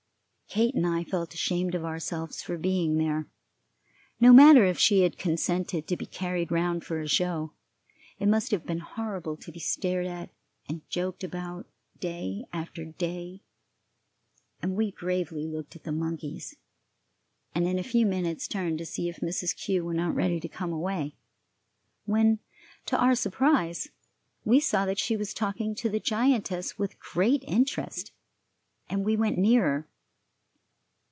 Kate and I felt ashamed of ourselves for being there. No matter if she had consented to be carried round for a show, it must have been horrible to be stared at and joked about day after day; and we gravely looked at the monkeys, and in a few minutes turned to see if Mrs. Kew were not ready to come away, when, to our surprise, we saw that she was talking to the giantess with great interest, and we went nearer.